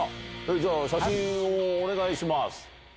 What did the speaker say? じゃあ、写真をお願いします。